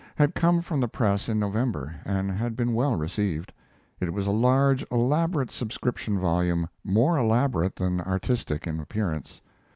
] had come from the press in November and had been well received. It was a large, elaborate subscription volume, more elaborate than artistic in appearance.